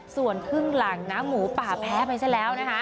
ส่วนครึ่งหลังหมูป่าแพ้ไปใช่แล้ว